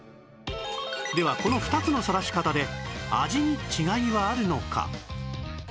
ではこの２つのさらし方で味に違いはあるのか？